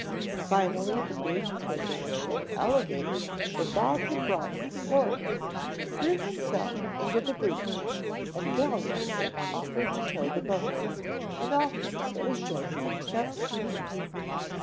Finally the big papier mache alligator that Bob had brought from Florida threw himself into the breach, and gallantly offered to tow the boat, an offer that was joyfully accepted.